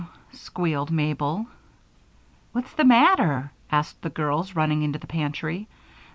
squealed Mabel. "What's the matter?" asked the girls, rushing into the pantry.